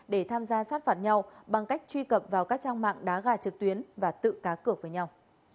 để tham gia sát phạt nhau bằng cách truy cập vào các trang mạng đá gà trực tuyến và tự cá cược với nhau